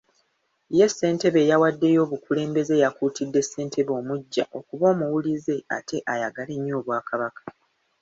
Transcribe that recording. Ye Ssentebe eyawaddeyo obukulembeze yakuutidde Ssentebe omuggya okuba omuwulize ate ayagale nnyo Obwakabaka.